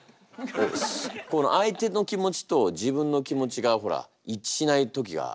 相手の気持ちと自分の気持ちがほら一致しない時が。